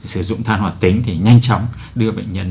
sử dụng than hoạt tính thì nhanh chóng đưa bệnh nhân